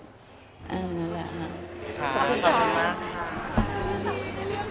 ขอบคุณต่อมาก